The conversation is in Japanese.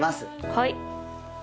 はい。